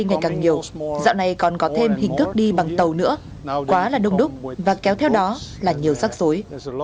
ngày càng nhiều dạo này còn có thêm hình thức đi bằng tàu nữa quá là đông đúc và kéo theo đó là nhiều rắc rối